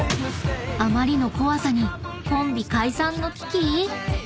［あまりの怖さにコンビ解散の危機⁉］